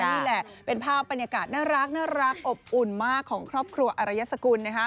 นี่แหละเป็นภาพบรรยากาศน่ารักอบอุ่นมากของครอบครัวอรยสกุล